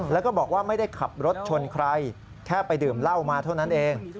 แล้วก็บอกว่าไม่ได้ขับรถชนใครแค่ไปดื่มเหล้ามาเท่านั้นเอง